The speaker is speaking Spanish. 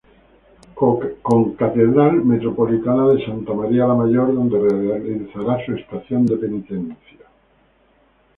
Concatedral Metropolitana de Santa María La Mayor donde realizará su estación de penitencia.